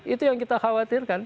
itu yang kita khawatirkan